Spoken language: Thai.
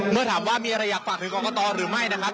เมื่อถามว่ามีอะไรอยากฝากถึงกรกตหรือไม่นะครับ